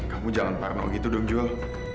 kamu jangan parno gitu dong jules